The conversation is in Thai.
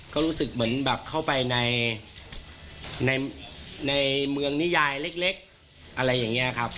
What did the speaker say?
ก็รู้สึกเหมือนแบบเข้าไปในเมืองนิยายเล็กอะไรอย่างนี้ครับ